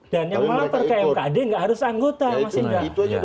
dan yang melanggar kmkd nggak harus anggota mas indra